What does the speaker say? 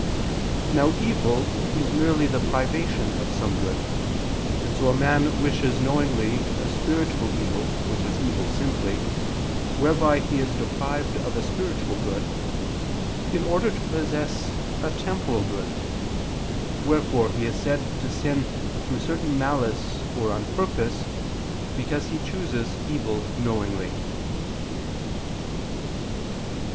Now evil is merely the privation of some good; and so a man wishes knowingly a spiritual evil, which is evil simply, whereby he is deprived of a spiritual good, in order to possess a temporal good: wherefore he is said to sin through certain malice or on purpose, because he chooses evil knowingly.